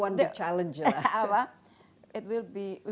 ini akan menjadi satu masalah